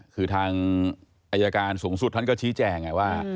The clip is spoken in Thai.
คือทางอายการสูงสุดท่านก็ชี้แจงไงว่า